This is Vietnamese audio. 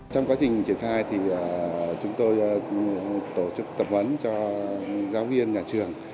trong quá trình triển khai thì chúng tôi tổ chức tập huấn cho giáo viên nhà trường